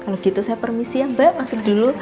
kalau gitu saya permisi ya mbak masuk dulu